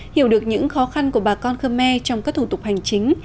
hiểu được những khó khăn của bà con khmer trong các thủ tục hành chính